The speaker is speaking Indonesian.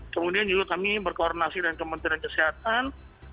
kemudian hvor dan juga perkuasaan dan kementerian kesehatan